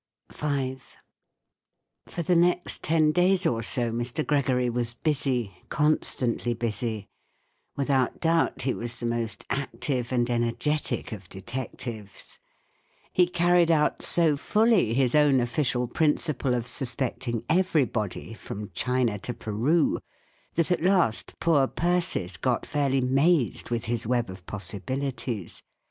V. For the next ten days or so Mr. Gregory was busy, constantly busy. Without doubt, he was the most active and energetic of detectives. He carried out so fully his own official principle of suspecting everybody, from China to Peru, that at last poor Persis got fairly mazed with his web of possibilities.